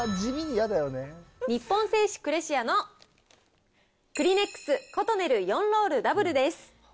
日本製紙クレシアの、クリネックスコトネル４ロールダブルです。